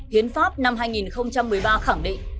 hiến pháp năm hai nghìn một mươi ba khẳng định